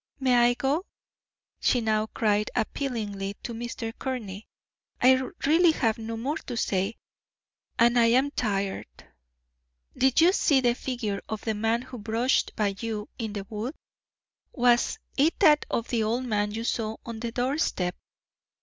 "May I go?" she now cried appealingly to Mr. Courtney. "I really have no more to say, and I am tired." "Did you see the figure of the man who brushed by you in the wood? Was it that of the old man you saw on the doorstep?"